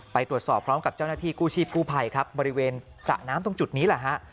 ไปตรวจสอบพร้อมกับเจ้าหน้าที่กู้ชีพกู้ภัยครับบริเวณสระน้ำตรงจุดนี้แหละฮะ